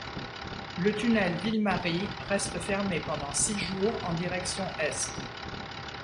Le tunnel Ville-Marie reste fermé pendant six jours en direction est.